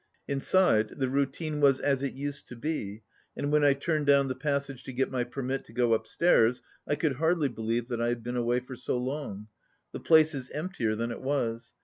Inside the routine was as it used to be, and when I turned down the passage to get my permit to go upstairs, I could hardly believe that I had been away for so long. The place is emptier than it was.